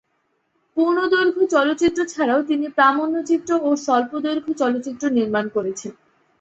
পূর্ণদৈর্ঘ্য চলচ্চিত্র ছাড়াও তিনি প্রামাণ্যচিত্র ও স্বল্পদৈর্ঘ্য চলচ্চিত্র নির্মাণ করেছেন।